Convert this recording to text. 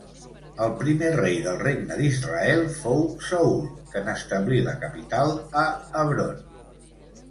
El primer rei del regne d'Israel fou Saül, que n'establí la capital a Hebron.